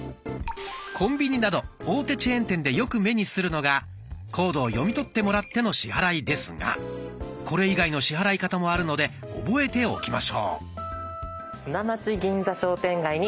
コンビニなど大手チェーン店でよく目にするのがコードを読み取ってもらっての支払いですがこれ以外の支払い方もあるので覚えておきましょう。